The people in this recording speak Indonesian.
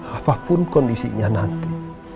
apapun kondisinya nanti